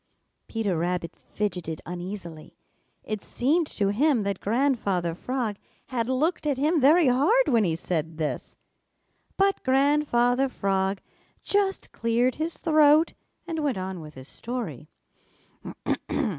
Peter Rabbit fidgeted uneasily. It seemed to him that Grandfather Frog had looked at him very hard when he said this. But Grandfather Frog just cleared his throat and went on with his story.